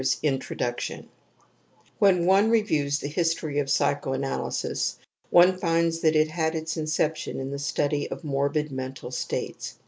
166 vm TRANSLATOR'S INTRODUCTION When one reviews the history of psycho analysis^ one finds that it had its inception in the study of morbid mental states.